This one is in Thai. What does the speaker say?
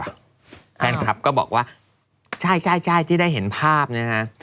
แฟนคลับก็บอกว่าใช่ที่ได้เห็นภาพนะฮะ